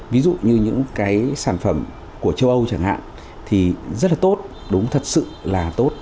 ví dụ như những cái sản phẩm của châu âu chẳng hạn thì rất là tốt đúng thật sự là tốt